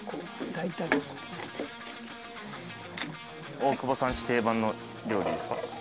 大久保さん家定番の料理ですか？